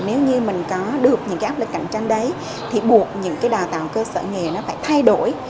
nếu như mình có được những cái áp lực cạnh tranh đấy thì buộc những cái đào tạo cơ sở nghề nó phải thay đổi